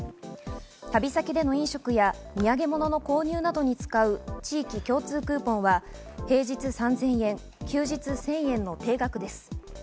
旅先での飲食や土産物の購入などに使う地域共通クーポンは平日３０００円、休日１０００円の定額です。